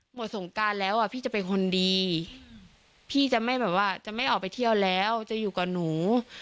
หมดสงการแล้วพี่จะเป็นคนดีพี่จะไม่ออกไปเที่ยวแล้วจะอยู่กับหนู